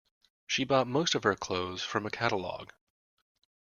She bought most of her clothes from a catalogue